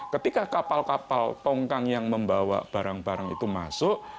ketika kapal kapal tongkang yang membawa barang barang itu masuk